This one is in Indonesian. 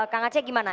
kak aceh gimana